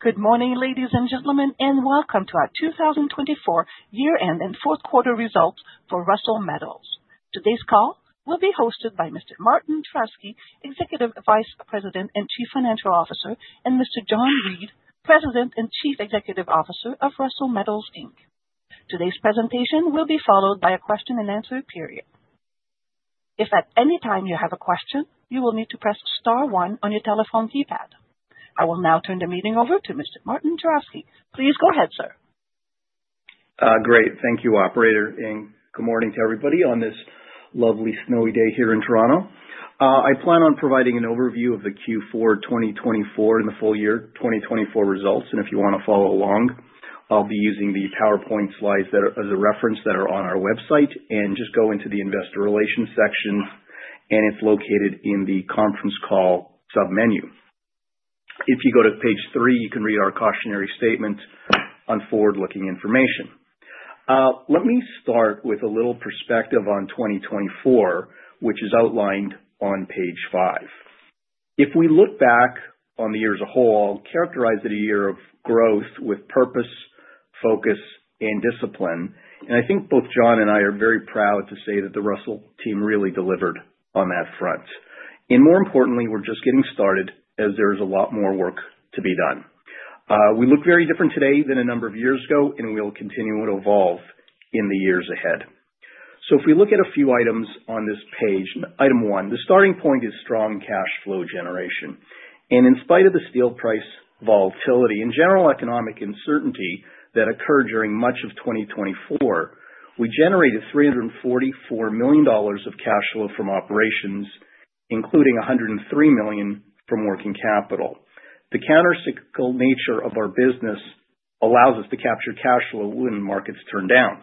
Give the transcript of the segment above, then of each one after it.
Good morning, ladies and gentlemen, and Welcome to our 2024 Year-end and Fourth Quarter Results for Russel Metals. Today's call will be hosted by Mr. Martin Juravsky, Executive Vice President and Chief Financial Officer, and Mr. John Reid, President and Chief Executive Officer of Russel Metals Inc. Today's presentation will be followed by a question-and-answer period. If at any time you have a question, you will need to press star one on your telephone keypad. I will now turn the meeting over to Mr. Martin Juravsky. Please go ahead, sir. Great. Thank you, operator. Good morning to everybody on this lovely snowy day here in Toronto. I plan on providing an overview of the Q4 2024 and the full year 2024 results, and if you want to follow along, I'll be using the PowerPoint slides as a reference that are on our website, and just go into the Investor Relations section, and it's located in the Conference Call submenu. If you go to page three, you can read our cautionary statement on forward-looking information. Let me start with a little perspective on 2024, which is outlined on page five. If we look back on the year as a whole, characterize it a year of growth with purpose, focus, and discipline, and I think both John and I are very proud to say that the Russel team really delivered on that front. And more importantly, we're just getting started as there is a lot more work to be done. We look very different today than a number of years ago, and we'll continue to evolve in the years ahead. So if we look at a few items on this page, item one, the starting point is strong cash flow generation. And in spite of the steel price volatility and general economic uncertainty that occurred during much of 2024, we generated 344 million dollars of cash flow from operations, including 103 million from working capital. The countercyclical nature of our business allows us to capture cash flow when markets turn down.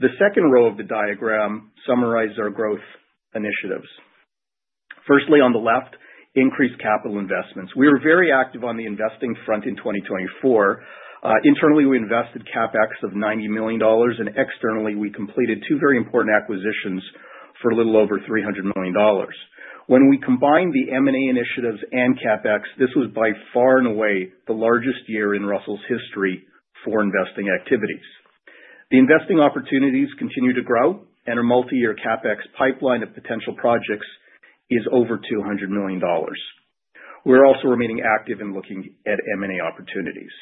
The second row of the diagram summarizes our growth initiatives. Firstly, on the left, increased capital investments. We were very active on the investing front in 2024. Internally, we invested CapEx of $90 million, and externally, we completed two very important acquisitions for a little over $300 million. When we combined the M&A initiatives and CapEx, this was by far and away the largest year in Russel's history for investing activities. The investing opportunities continue to grow, and our multi-year CapEx pipeline of potential projects is over $200 million. We're also remaining active in looking at M&A opportunities.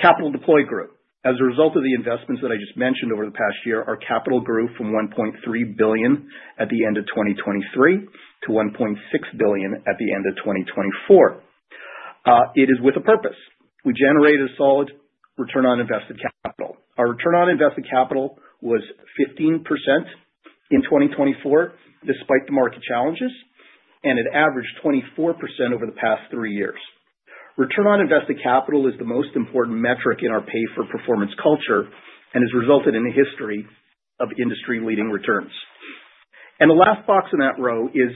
Capital Deploy Group, as a result of the investments that I just mentioned over the past year, our capital grew from $1.3 billion at the end of 2023 to $1.6 billion at the end of 2024. It is with a purpose. We generated a solid return on invested capital. Our return on invested capital was 15% in 2024, despite the market challenges, and it averaged 24% over the past three years. Return on Invested Capital is the most important metric in our pay-for-performance culture and has resulted in a history of industry-leading returns. The last box in that row is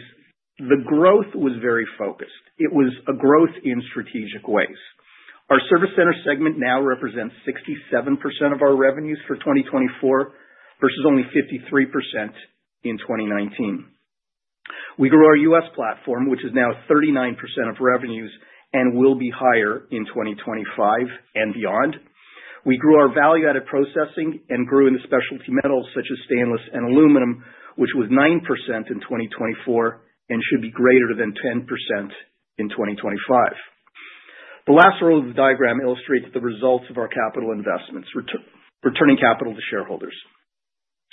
the growth was very focused. It was a growth in strategic ways. Our service center segment now represents 67% of our revenues for 2024 versus only 53% in 2019. We grew our US platform, which is now 39% of revenues and will be higher in 2025 and beyond. We grew our value-added processing and grew in the specialty metals such as stainless and aluminum, which was 9% in 2024 and should be greater than 10% in 2025. The last row of the diagram illustrates the results of our capital investments, returning capital to shareholders.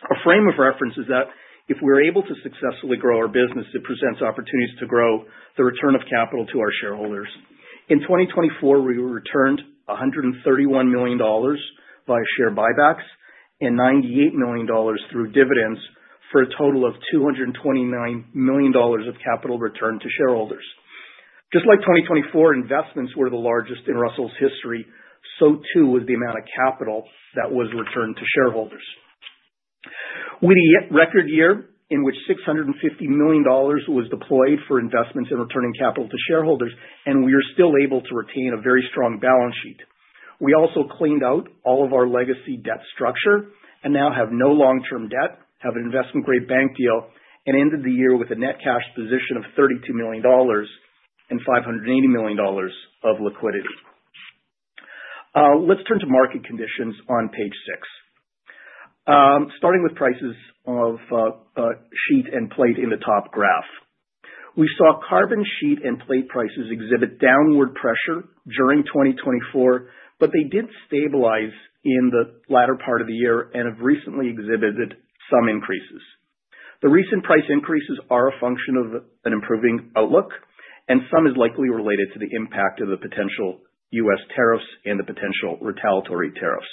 Our frame of reference is that if we're able to successfully grow our business, it presents opportunities to grow the return of capital to our shareholders. In 2024, we returned 131 million dollars via share buybacks and 98 million dollars through dividends for a total of 229 million dollars of capital returned to shareholders. Just like 2024, investments were the largest in Russel's history, so too was the amount of capital that was returned to shareholders. We had a record year in which 650 million dollars was deployed for investments in returning capital to shareholders, and we are still able to retain a very strong balance sheet. We also cleaned out all of our legacy debt structure and now have no long-term debt, have an investment-grade bank deal, and ended the year with a net cash position of 32 million dollars and 580 million dollars of liquidity. Let's turn to market conditions on page six, starting with prices of sheet and plate in the top graph. We saw carbon sheet and plate prices exhibit downward pressure during 2024, but they did stabilize in the latter part of the year and have recently exhibited some increases. The recent price increases are a function of an improving outlook, and some is likely related to the impact of the potential U.S. tariffs and the potential retaliatory tariffs.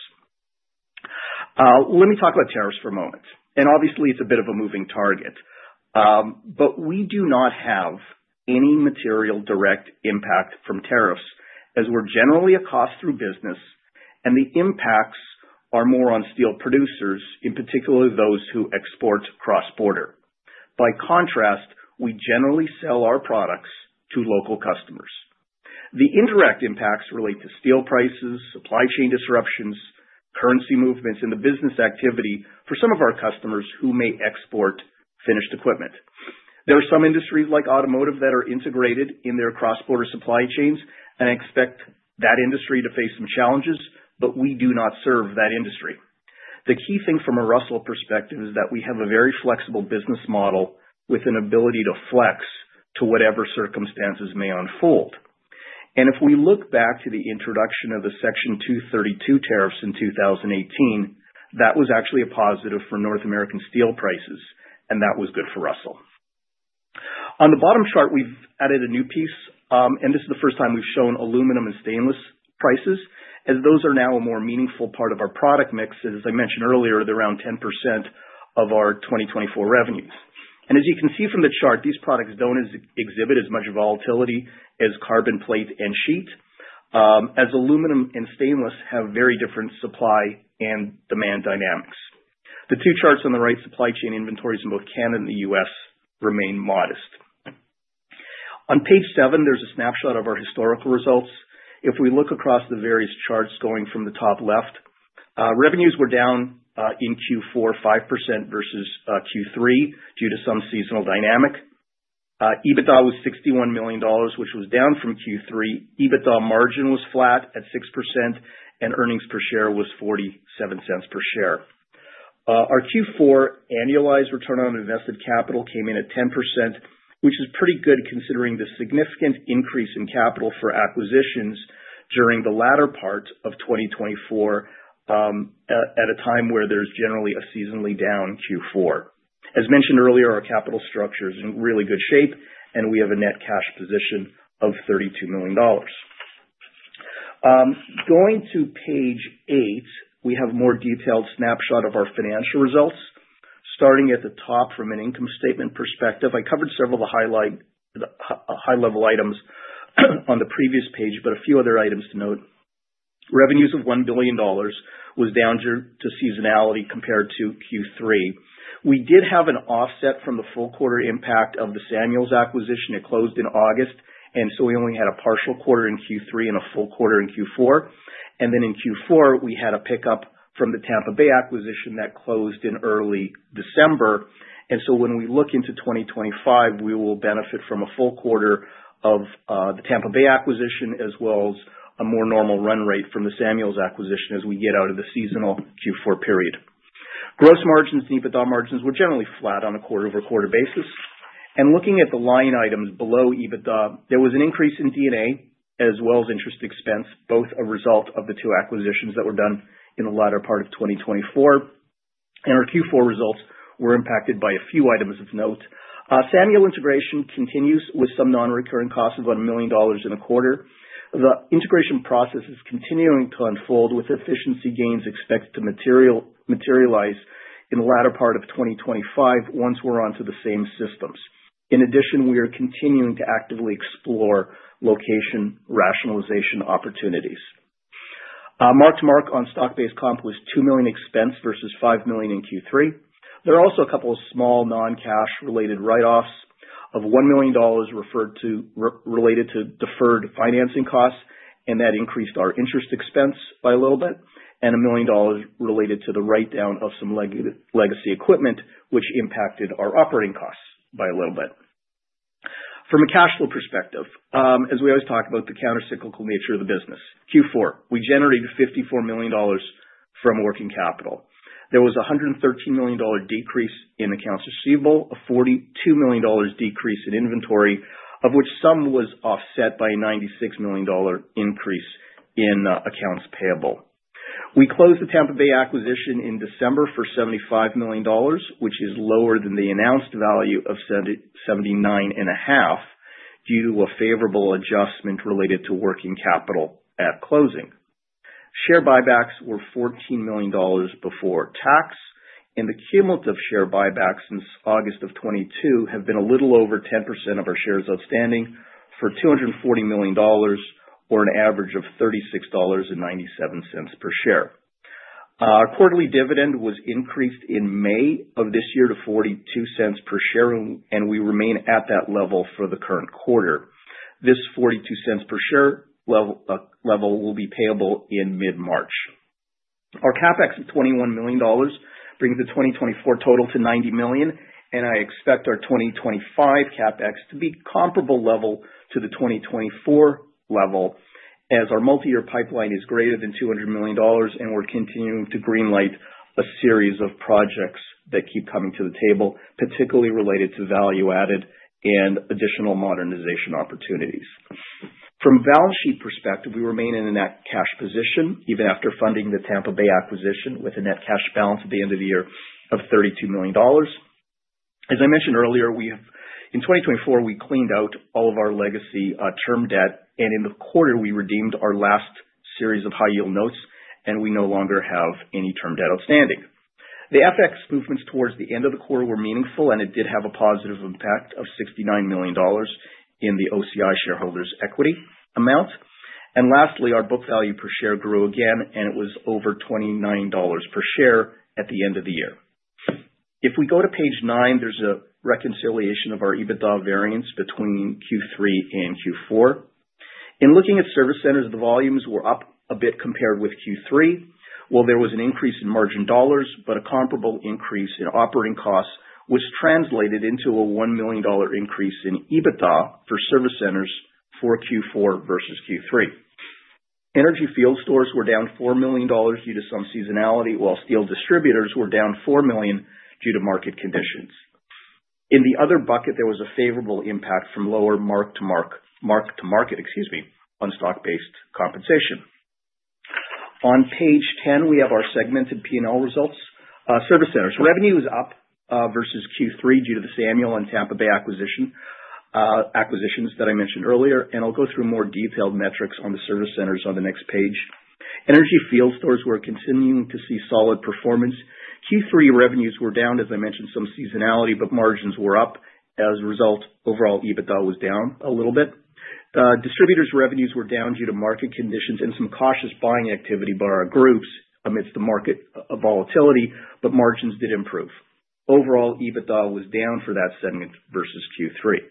Let me talk about tariffs for a moment, and obviously, it's a bit of a moving target, but we do not have any material direct impact from tariffs, as we're generally a cost-through business, and the impacts are more on steel producers, in particular those who export cross-border. By contrast, we generally sell our products to local customers. The indirect impacts relate to steel prices, supply chain disruptions, currency movements, and the business activity for some of our customers who may export finished equipment. There are some industries like automotive that are integrated in their cross-border supply chains and expect that industry to face some challenges, but we do not serve that industry. The key thing from a Russel perspective is that we have a very flexible business model with an ability to flex to whatever circumstances may unfold, and if we look back to the introduction of the Section 232 tariffs in 2018, that was actually a positive for North American steel prices, and that was good for Russel. On the bottom chart, we've added a new piece, and this is the first time we've shown aluminum and stainless prices, as those are now a more meaningful part of our product mix. As I mentioned earlier, they're around 10% of our 2024 revenues. As you can see from the chart, these products don't exhibit as much volatility as carbon plate and sheet, as aluminum and stainless have very different supply and demand dynamics. The two charts on the right, supply chain inventories in both Canada and the U.S., remain modest. On page seven, there's a snapshot of our historical results. If we look across the various charts going from the top left, revenues were down in Q4 5% versus Q3 due to some seasonal dynamic. EBITDA was 61 million dollars, which was down from Q3. EBITDA margin was flat at 6%, and earnings per share was 0.47 per share. Our Q4 annualized return on invested capital came in at 10%, which is pretty good considering the significant increase in capital for acquisitions during the latter part of 2024 at a time where there's generally a seasonally down Q4. As mentioned earlier, our capital structure is in really good shape, and we have a net cash position of 32 million dollars. Going to page eight, we have a more detailed snapshot of our financial results. Starting at the top from an income statement perspective, I covered several high-level items on the previous page, but a few other items to note. Revenues of 1 billion dollars was down to seasonality compared to Q3. We did have an offset from the full quarter impact of the Samuels acquisition. It closed in August, and so we only had a partial quarter in Q3 and a full quarter in Q4. And then in Q4, we had a pickup from the Tampa Bay acquisition that closed in early December. And so when we look into 2025, we will benefit from a full quarter of the Tampa Bay acquisition as well as a more normal run rate from the Samuels acquisition as we get out of the seasonal Q4 period. Gross margins and EBITDA margins were generally flat on a quarter-over-quarter basis. And looking at the line items below EBITDA, there was an increase in D&A as well as interest expense, both a result of the two acquisitions that were done in the latter part of 2024. And our Q4 results were impacted by a few items of note. Samuels integration continues with some non-recurring costs of 1 million dollars in the quarter. The integration process is continuing to unfold with efficiency gains expected to materialize in the latter part of 2025 once we're onto the same systems. In addition, we are continuing to actively explore location rationalization opportunities. Mark-to-market on stock-based comp was 2 million expense versus 5 million in Q3. There are also a couple of small non-cash-related write-offs of 1 million dollars related to deferred financing costs, and that increased our interest expense by a little bit. 1 million dollars related to the write-down of some legacy equipment, which impacted our operating costs by a little bit. From a cash flow perspective, as we always talk about the countercyclical nature of the business, Q4, we generated 54 million dollars from working capital. There was a 113 million dollar decrease in accounts receivable, a 42 million dollars decrease in inventory, of which some was offset by a 96 million dollar increase in accounts payable. We closed the Tampa Bay acquisition in December for 75 million dollars, which is lower than the announced value of 79.5 million due to a favorable adjustment related to working capital at closing. Share buybacks were 14 million dollars before tax, and the cumulative share buybacks since August of 2022 have been a little over 10% of our shares outstanding for 240 million dollars or an average of $36.97 per share. Our quarterly dividend was increased in May of this year to $0.42 per share, and we remain at that level for the current quarter. This $0.42 per share level will be payable in mid-March. Our CapEx of 21 million dollars brings the 2024 total to 90 million, and I expect our 2025 CapEx to be comparable level to the 2024 level as our multi-year pipeline is greater than 200 million dollars, and we're continuing to greenlight a series of projects that keep coming to the table, particularly related to value-added and additional modernization opportunities. From a balance sheet perspective, we remain in a net cash position even after funding the Tampa Bay acquisition with a net cash balance at the end of the year of 32 million dollars. As I mentioned earlier, in 2024, we cleaned out all of our legacy term debt, and in the quarter, we redeemed our last series of high-yield notes, and we no longer have any term debt outstanding. The FX movements towards the end of the quarter were meaningful, and it did have a positive impact of 69 million dollars in the OCI shareholders' equity amount, and lastly, our book value per share grew again, and it was over 29 dollars per share at the end of the year. If we go to page nine, there's a reconciliation of our EBITDA variance between Q3 and Q4. In looking at service centers, the volumes were up a bit compared with Q3. There was an increase in margin dollars, but a comparable increase in operating costs was translated into a 1 million dollar increase in EBITDA for service centers for Q4 versus Q3. Energy field stores were down 4 million dollars due to some seasonality, while steel distributors were down 4 million due to market conditions. In the other bucket, there was a favorable impact from lower mark-to-market, excuse me, on stock-based compensation. On page 10, we have our segmented P&L results. Service centers revenue is up versus Q3 due to the Samuels and Tampa Bay acquisitions that I mentioned earlier, and I'll go through more detailed metrics on the service centers on the next page. Energy field stores were continuing to see solid performance. Q3 revenues were down, as I mentioned, some seasonality, but margins were up. As a result, overall EBITDA was down a little bit. Distributors' revenues were down due to market conditions and some cautious buying activity by our groups amidst the market volatility, but margins did improve. Overall, EBITDA was down for that segment versus Q3.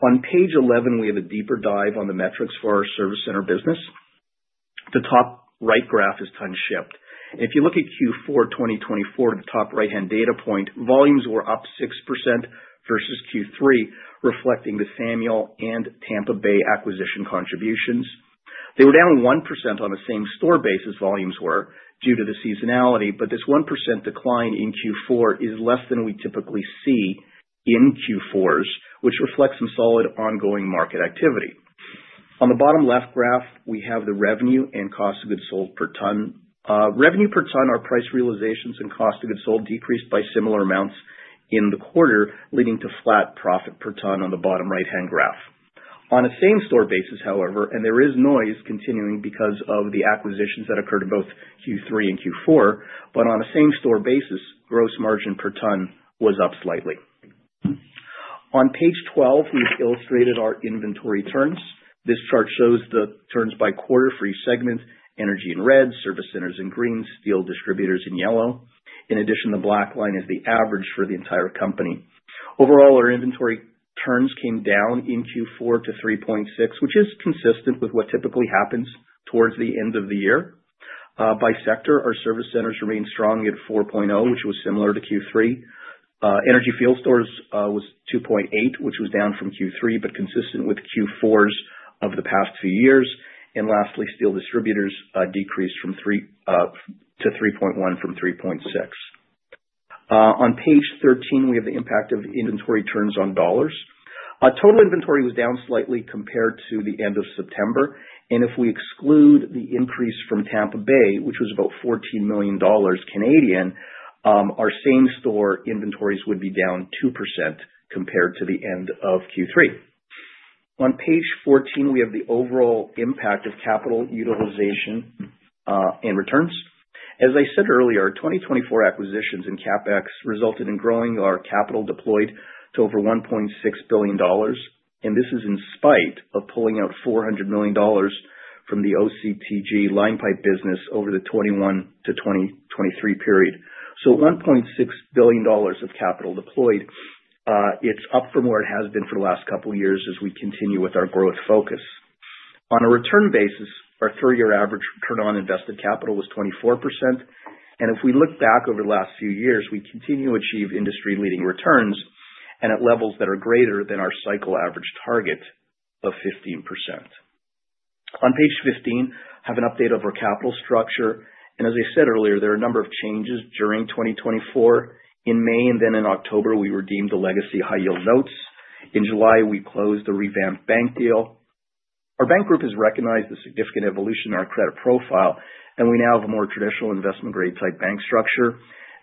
On page 11, we have a deeper dive on the metrics for our service center business. The top right graph is tons shipped. If you look at Q4 2024, the top right-hand data point, volumes were up 6% versus Q3, reflecting the Samuels and Tampa Bay acquisition contributions. They were down 1% on the same-store base as volumes were due to the seasonality, but this 1% decline in Q4 is less than we typically see in Q4s, which reflects some solid ongoing market activity. On the bottom left graph, we have the revenue and cost of goods sold per ton. Revenue per ton, our price realizations and cost of goods sold decreased by similar amounts in the quarter, leading to flat profit per ton on the bottom right-hand graph. On a same-store basis, however, and there is noise continuing because of the acquisitions that occurred in both Q3 and Q4, but on a same-store basis, gross margin per ton was up slightly. On page 12, we've illustrated our inventory turns. This chart shows the turns by quarter for each segment: energy in red, service centers in green, steel distributors in yellow. In addition, the black line is the average for the entire company. Overall, our inventory turns came down in Q4 to 3.6, which is consistent with what typically happens towards the end of the year. By sector, our service centers remained strong at 4.0, which was similar to Q3. Energy field stores was 2.8, which was down from Q3, but consistent with Q4s of the past few years. Lastly, steel distributors decreased to 3.1 from 3.6. On page 13, we have the impact of inventory turns on dollars. Total inventory was down slightly compared to the end of September. If we exclude the increase from Tampa Bay, which was about 14 million Canadian dollars, our same-store inventories would be down 2% compared to the end of Q3. On page 14, we have the overall impact of capital utilization and returns. As I said earlier, 2024 acquisitions and CapEx resulted in growing our capital deployed to over 1.6 billion dollars. This is in spite of pulling out 400 million dollars from the OCTG line pipe business over the 2021 to 2023 period. 1.6 billion dollars of capital deployed, it's up from where it has been for the last couple of years as we continue with our growth focus. On a return basis, our three-year average return on invested capital was 24%. If we look back over the last few years, we continue to achieve industry-leading returns and at levels that are greater than our cycle average target of 15%. On page 15, I have an update of our capital structure. As I said earlier, there are a number of changes during 2024. In May and then in October, we redeemed the legacy high-yield notes. In July, we closed the revamped bank deal. Our bank group has recognized the significant evolution in our credit profile, and we now have a more traditional investment-grade type bank structure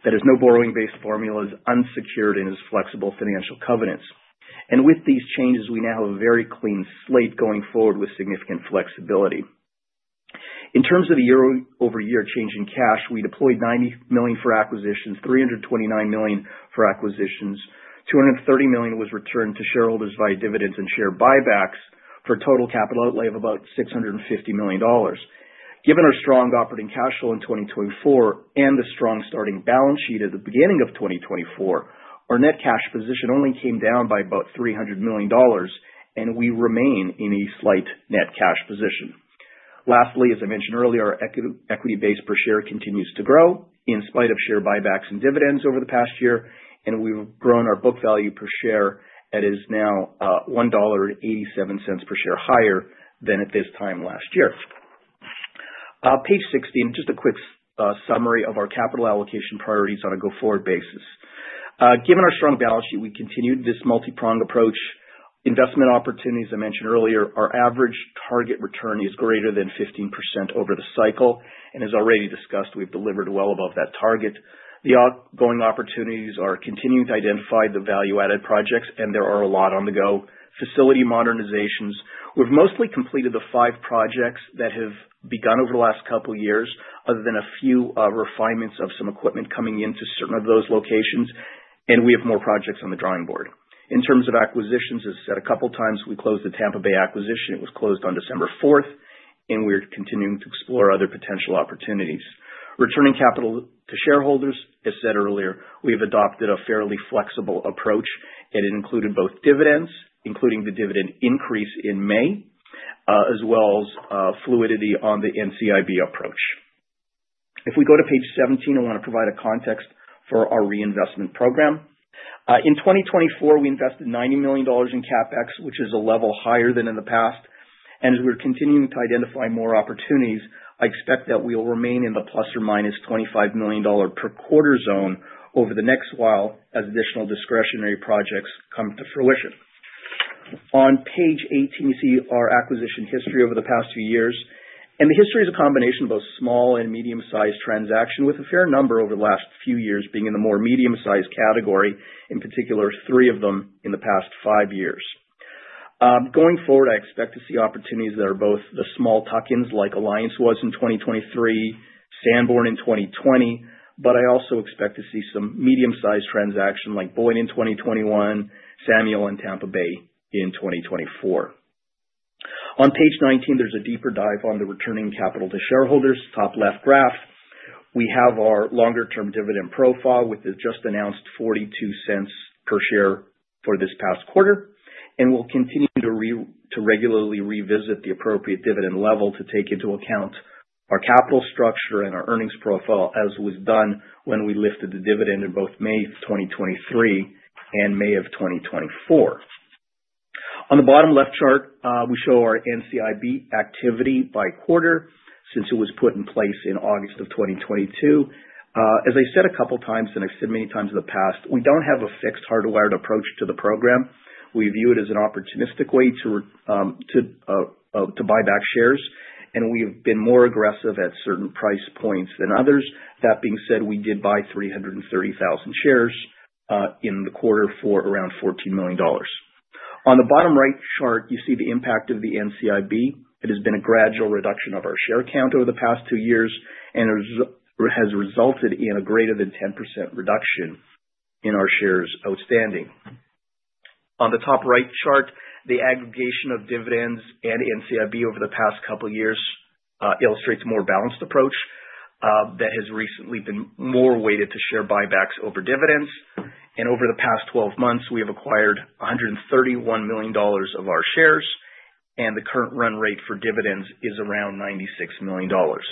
that has no borrowing base formulas, unsecured, and has flexible financial covenants. With these changes, we now have a very clean slate going forward with significant flexibility. In terms of the year-over-year change in cash, we deployed 90 million for acquisitions, 329 million for acquisitions. 230 million was returned to shareholders via dividends and share buybacks for a total capital outlay of about 650 million dollars. Given our strong operating cash flow in 2024 and the strong starting balance sheet at the beginning of 2024, our net cash position only came down by about 300 million dollars, and we remain in a slight net cash position. Lastly, as I mentioned earlier, our equity base per share continues to grow in spite of share buybacks and dividends over the past year, and we've grown our book value per share at now 1.87 dollar per share higher than at this time last year. Page 16, just a quick summary of our capital allocation priorities on a go-forward basis. Given our strong balance sheet, we continued this multi-pronged approach. Investment opportunities, as I mentioned earlier, our average target return is greater than 15% over the cycle, and as already discussed, we've delivered well above that target. The ongoing opportunities are continuing to identify the value-added projects, and there are a lot on the go. Facility modernizations, we've mostly completed the five projects that have begun over the last couple of years other than a few refinements of some equipment coming into certain of those locations, and we have more projects on the drawing board. In terms of acquisitions, as I said a couple of times, we closed the Tampa Bay acquisition. It was closed on December 4th, and we're continuing to explore other potential opportunities. Returning capital to shareholders, as I said earlier, we've adopted a fairly flexible approach, and it included both dividends, including the dividend increase in May, as well as fluidity on the NCIB approach. If we go to page 17, I want to provide a context for our reinvestment program. In 2024, we invested 90 million dollars in CapEx, which is a level higher than in the past, and as we're continuing to identify more opportunities, I expect that we will remain in the plus or minus 25 million dollar per quarter zone over the next while as additional discretionary projects come to fruition. On page 18, you see our acquisition history over the past few years. The history is a combination of both small and medium-sized transactions with a fair number over the last few years being in the more medium-sized category, in particular three of them in the past five years. Going forward, I expect to see opportunities that are both the small tuck-ins like Alliance was in 2023, Sanborn in 2020, but I also expect to see some medium-sized transactions like Boyd in 2021, Samuels and Tampa Bay in 2024. On page 19, there's a deeper dive on the returning capital to shareholders, top left graph. We have our longer-term dividend profile with the just-announced 0.42 per share for this past quarter. We'll continue to regularly revisit the appropriate dividend level to take into account our capital structure and our earnings profile as was done when we lifted the dividend in both May of 2023 and May of 2024. On the bottom left chart, we show our NCIB activity by quarter since it was put in place in August of 2022. As I said a couple of times, and I've said many times in the past, we don't have a fixed hardwired approach to the program. We view it as an opportunistic way to buy back shares, and we have been more aggressive at certain price points than others. That being said, we did buy 330,000 shares in the quarter for around 14 million dollars. On the bottom right chart, you see the impact of the NCIB. It has been a gradual reduction of our share count over the past two years and has resulted in a greater than 10% reduction in our shares outstanding. On the top right chart, the aggregation of dividends and NCIB over the past couple of years illustrates a more balanced approach that has recently been more weighted to share buybacks over dividends, and over the past 12 months, we have acquired 131 million dollars of our shares, and the current run rate for dividends is around 96 million dollars.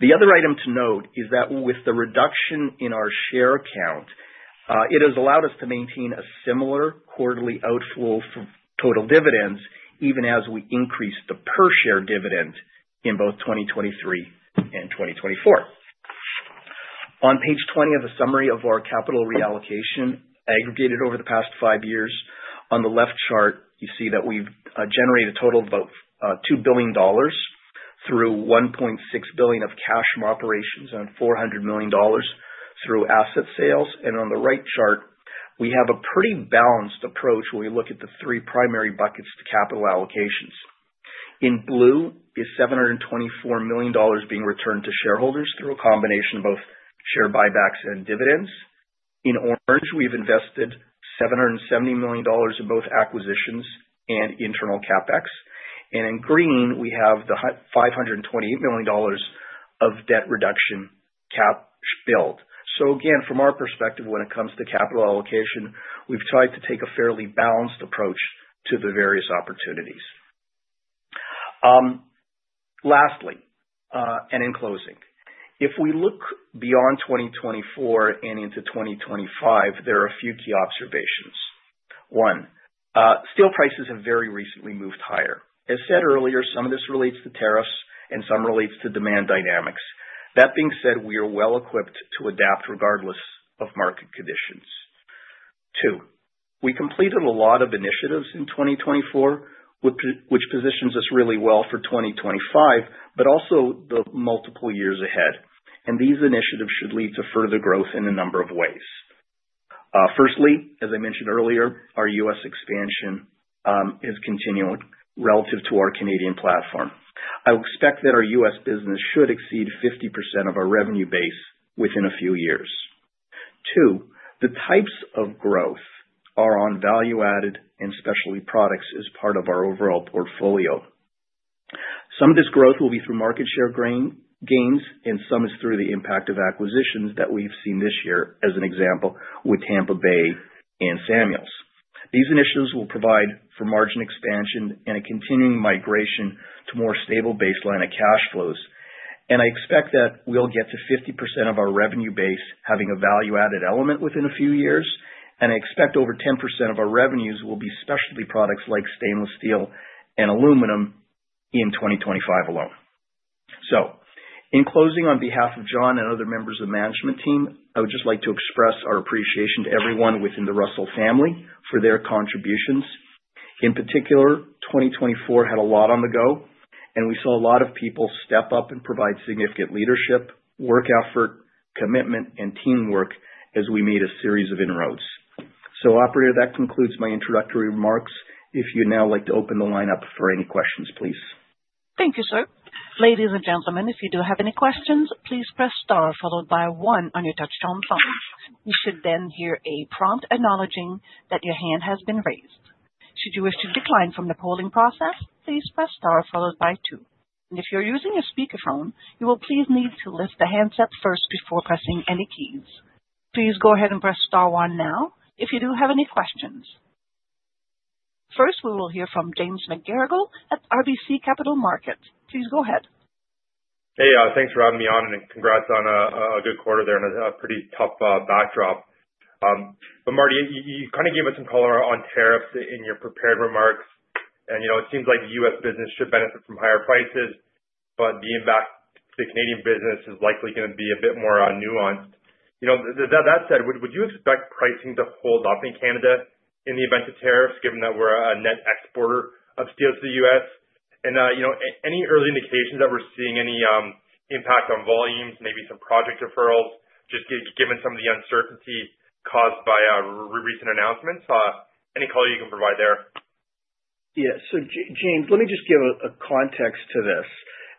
The other item to note is that with the reduction in our share account, it has allowed us to maintain a similar quarterly outflow for total dividends even as we increased the per-share dividend in both 2023 and 2024. On page 20 of the summary of our capital reallocation aggregated over the past five years, on the left chart, you see that we've generated a total of about 2 billion dollars through 1.6 billion of cash from operations and 400 million dollars through asset sales. And on the right chart, we have a pretty balanced approach when we look at the three primary buckets to capital allocations. In blue is 724 million dollars being returned to shareholders through a combination of both share buybacks and dividends. In orange, we've invested 770 million dollars in both acquisitions and internal CapEx. And in green, we have the 528 million dollars of debt reduction capitalized. So again, from our perspective, when it comes to capital allocation, we've tried to take a fairly balanced approach to the various opportunities. Lastly, and in closing, if we look beyond 2024 and into 2025, there are a few key observations. One, steel prices have very recently moved higher. As said earlier, some of this relates to tariffs and some relates to demand dynamics. That being said, we are well equipped to adapt regardless of market conditions. Two, we completed a lot of initiatives in 2024, which positions us really well for 2025, but also the multiple years ahead. These initiatives should lead to further growth in a number of ways. Firstly, as I mentioned earlier, our U.S. expansion is continuing relative to our Canadian platform. I expect that our U.S. business should exceed 50% of our revenue base within a few years. Two, the types of growth are on value-added and specialty products as part of our overall portfolio. Some of this growth will be through market share gains, and some is through the impact of acquisitions that we've seen this year, as an example, with Tampa Bay and Samuels. These initiatives will provide for margin expansion and a continuing migration to more stable baseline of cash flows. And I expect that we'll get to 50% of our revenue base having a value-added element within a few years. And I expect over 10% of our revenues will be specialty products like stainless steel and aluminum in 2025 alone. So in closing, on behalf of John and other members of the management team, I would just like to express our appreciation to everyone within the Russel family for their contributions. In particular, 2024 had a lot on the go, and we saw a lot of people step up and provide significant leadership, work effort, commitment, and teamwork as we made a series of inroads. So operator, that concludes my introductory remarks. If you now like to open the line up for any questions, please. Thank you, sir. Ladies and gentlemen, if you do have any questions, please press star followed by one on your touch-tone phone. You should then hear a prompt acknowledging that your hand has been raised. Should you wish to decline from the polling process, please press star followed by two. And if you're using a speakerphone, you will please need to lift the handset first before pressing any keys. Please go ahead and press star one now if you do have any questions. First, we will hear from James McGarragle at RBC Capital Markets. Please go ahead. Hey, thanks for having me on and congrats on a good quarter there and a pretty tough backdrop. But Marty, you kind of gave us some color on tariffs in your prepared remarks. And it seems like U.S. business should benefit from higher prices, but being back to the Canadian business is likely going to be a bit more nuanced. That said, would you expect pricing to hold up in Canada in the event of tariffs, given that we're a net exporter of steel to the U.S.? And any early indications that we're seeing any impact on volumes, maybe some project deferrals, just given some of the uncertainty caused by recent announcements? Any color you can provide there? Yeah, so James, let me just give a context to this,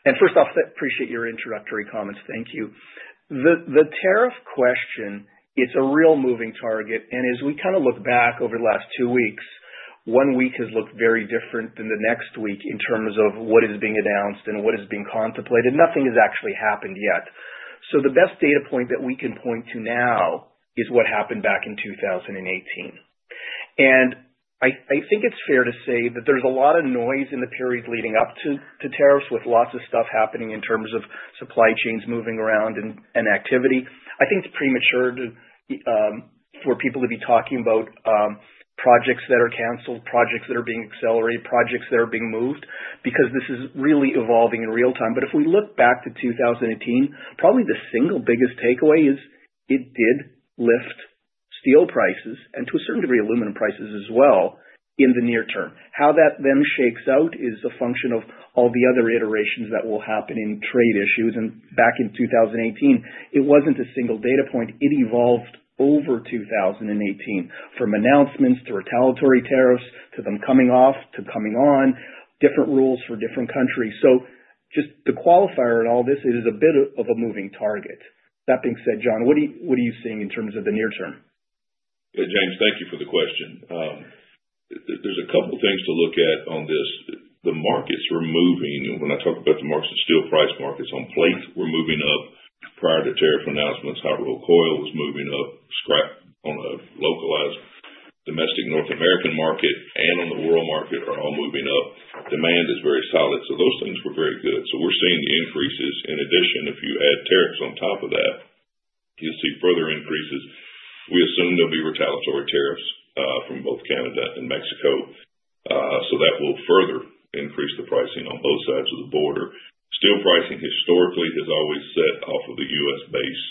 and first off, I appreciate your introductory comments. Thank you. The tariff question, it's a real moving target, and as we kind of look back over the last two weeks, one week has looked very different than the next week in terms of what is being announced and what is being contemplated. Nothing has actually happened yet, so the best data point that we can point to now is what happened back in 2018. I think it's fair to say that there's a lot of noise in the periods leading up to tariffs with lots of stuff happening in terms of supply chains moving around and activity. I think it's premature for people to be talking about projects that are canceled, projects that are being accelerated, projects that are being moved, because this is really evolving in real time. If we look back to 2018, probably the single biggest takeaway is it did lift steel prices and to a certain degree aluminum prices as well in the near term. How that then shakes out is a function of all the other iterations that will happen in trade issues. Back in 2018, it wasn't a single data point. It evolved over 2018 from announcements to retaliatory tariffs to them coming off to coming on, different rules for different countries. So just the qualifier in all this is a bit of a moving target. That being said, John, what are you seeing in terms of the near term? James, thank you for the question. There's a couple of things to look at on this. The markets are moving. When I talk about the markets, the steel price markets on plate, we're moving up prior to tariff announcements. Hot rolled coil was moving up, scrap on a localized domestic North American market and on the world market are all moving up. Demand is very solid. So those things were very good. So we're seeing the increases. In addition, if you add tariffs on top of that, you'll see further increases. We assume there'll be retaliatory tariffs from both Canada and Mexico. So that will further increase the pricing on both sides of the border. Steel pricing historically has always set off of the U.S. base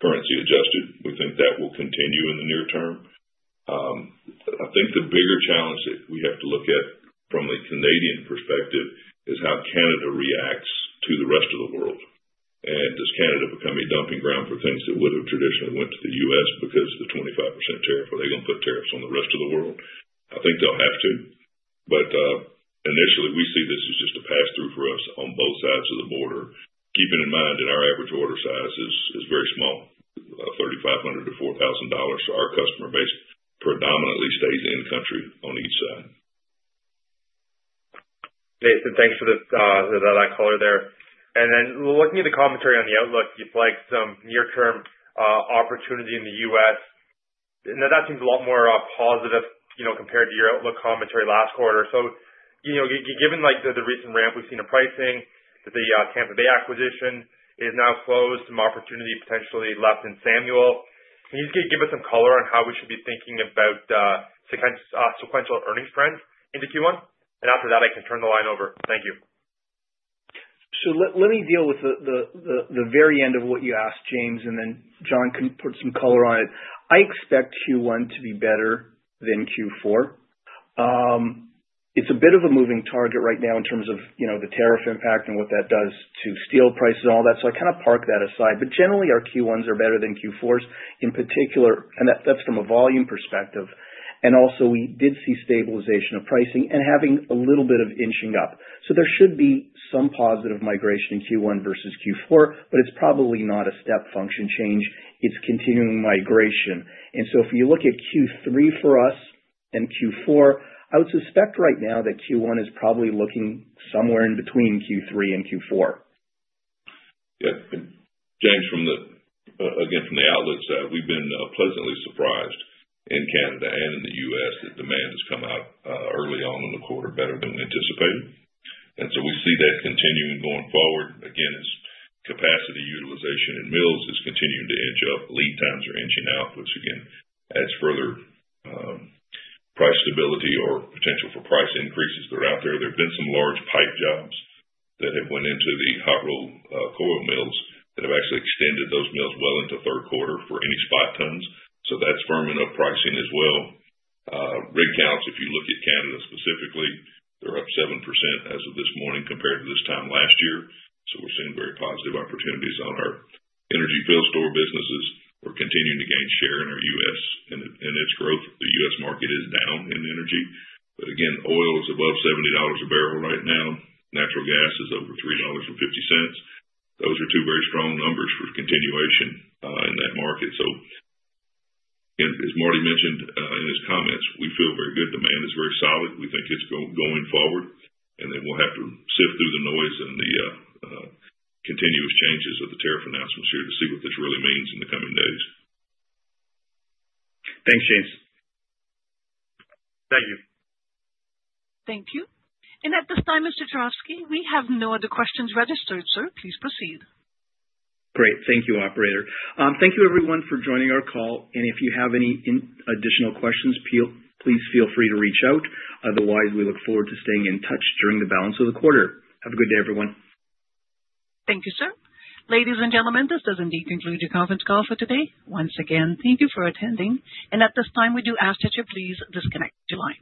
currency adjusted. We think that will continue in the near term. I think the bigger challenge that we have to look at from a Canadian perspective is how Canada reacts to the rest of the world. And does Canada become a dumping ground for things that would have traditionally went to the U.S. because of the 25% tariff? Are they going to put tariffs on the rest of the world? I think they'll have to. But initially, we see this as just a pass-through for us on both sides of the border, keeping in mind that our average order size is very small, $3,500-$4,000. So our customer base predominantly stays in-country on each side. James, thanks for that color there. And then looking at the commentary on the outlook, you'd like some near-term opportunity in the U.S. That seems a lot more positive compared to your outlook commentary last quarter. So given the recent ramp we've seen in pricing, the Tampa Bay acquisition is now closed, some opportunity potentially left in Samuel. Can you give us some color on how we should be thinking about sequential earnings trends into Q1? And after that, I can turn the line over. Thank you. So let me deal with the very end of what you asked, James, and then John can put some color on it. I expect Q1 to be better than Q4. It's a bit of a moving target right now in terms of the tariff impact and what that does to steel prices and all that. So I kind of park that aside. But generally, our Q1s are better than Q4s in particular, and that's from a volume perspective. Also, we did see stabilization of pricing and having a little bit of inching up. There should be some positive migration in Q1 versus Q4, but it's probably not a step function change. It's continuing migration. If you look at Q3 for us and Q4, I would suspect right now that Q1 is probably looking somewhere in between Q3 and Q4. Yeah. James, again, from the outlets, we've been pleasantly surprised in Canada and in the U.S. that demand has come out early on in the quarter better than anticipated. We see that continuing going forward. Again, capacity utilization in mills is continuing to inch up. Lead times are inching out, which again adds further price stability or potential for price increases that are out there. There have been some large pipe jobs that have went into the hot rolled coil mills that have actually extended those mills well into third quarter for any spot tons. So that's firm enough pricing as well. Rig counts, if you look at Canada specifically, they're up 7% as of this morning compared to this time last year. So we're seeing very positive opportunities on our energy field store businesses. We're continuing to gain share in our U.S. and its growth. The U.S. market is down in energy. But again, oil is above $70 a barrel right now. Natural gas is over $3.50. Those are two very strong numbers for continuation in that market. So as Martin mentioned in his comments, we feel very good. Demand is very solid. We think it's going forward. And then we'll have to sift through the noise and the continuous changes of the tariff announcements here to see what this really means in the coming days. Thanks, James. Thank you. Thank you. And at this time, Mr. Juravsky, we have no other questions registered. Sir, please proceed. Great. Thank you, operator. Thank you, everyone, for joining our call. And if you have any additional questions, please feel free to reach out. Otherwise, we look forward to staying in touch during the balance of the quarter. Have a good day, everyone. Thank you, sir. Ladies and gentlemen, this does indeed conclude your conference call for today. Once again, thank you for attending. And at this time, we do ask that you please disconnect your line.